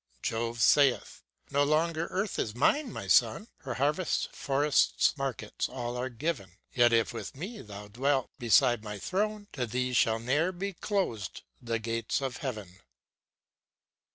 ŌĆö Jove saith: ŌĆ×No longer Earth is mine, my son; Her harvests, forests ŌĆö markets, all are given, Yet, if, with me, thou'lt dwell beside my throne, To thee shall ne'er be closed the gates of Heaven."